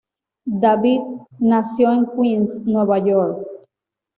David nació en Queens, Nueva York.